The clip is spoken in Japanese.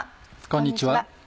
こんにちは。